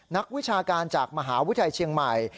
นักวิชาการจากมหาวิทยาลัยเชียงใหม่